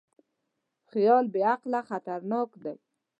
خیال بېعقله خطرناک دی.